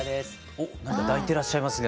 おっ何か抱いてらっしゃいますが。